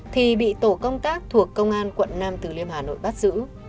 thì bị tổ công tác thuộc công an quận nam từ liêm hà nội bắt giữ